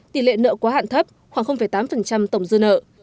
tỷ lệ nợ quá hạn thấp khoảng tám tổng dư nợ